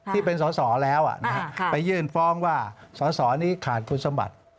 ที่เป็นสอสอแล้วไปยื่นฟ้องว่าสสนี้ขาดคุณสมบัติ